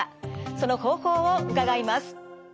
その方法を伺います。